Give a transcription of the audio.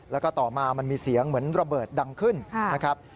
แล้วก็ต่อมามันมีเสียงเหมือนระเบิดดังขึ้นนะครับ